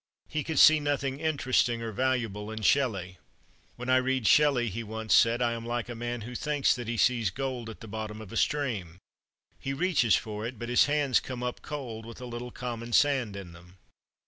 He could see nothing interesting or valuable in Shelley. "When I read Shelley," he once said, "I am like a man who thinks that he sees gold at the bottom of a stream. He reaches for it, but his hands come up cold, with a little common sand in them."